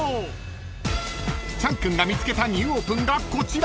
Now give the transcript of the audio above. ［チャン君が見つけたニューオ−プンがこちら］